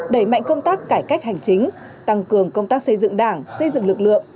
đẩy mạnh công tác cải cách hành chính tăng cường công tác xây dựng đảng xây dựng lực lượng